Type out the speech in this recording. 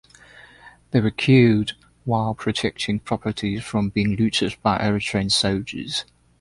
They were killed while protecting properties from being looted by Eritrean soldiers.